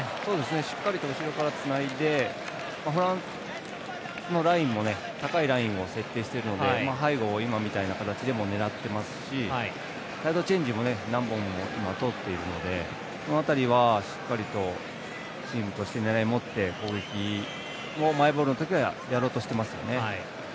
しっかりと後ろからつないでフランスのラインも高いラインを設定しているので背後を今みたいな形で狙ってますし、サイドチェンジも何本も通っているのでこの辺りはしっかりとチームとして狙いを持って攻撃をマイボールの時はやろうとしていますよね。